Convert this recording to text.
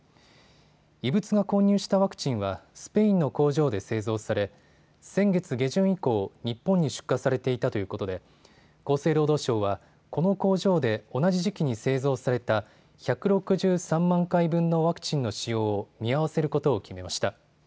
異物が混入したワクチンはスペインの工場で製造され、先月下旬以降、日本に出荷されていたということで厚生労働省はこの工場で同じ時期に製造された１６３万回分のワクチンの使用を見合わせることを決めました。